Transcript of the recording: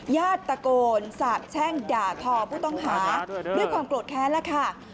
ญาติตะโกนสาบแช่งด่าทอผู้ต้องหาด้วยความโกรธแค้นแล้วค่ะ